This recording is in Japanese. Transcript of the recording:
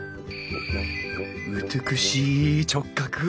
美しい直角。